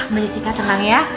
mbak jessy kak tenang ya